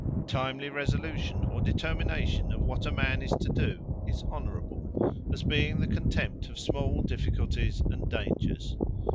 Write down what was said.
Timely Resolution, or determination of what a man is to do, is Honourable; as being the contempt of small difficulties, and dangers.